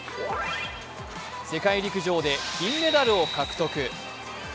世界陸上で金メダルを獲得。